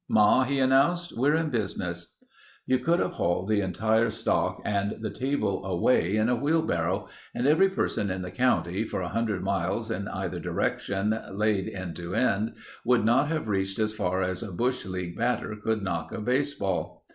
"Ma," he announced, "we're in business." You could have hauled the entire stock and the table away in a wheelbarrow and every person in the country for 100 miles in either direction laid end to end would not have reached as far as a bush league batter could knock a baseball.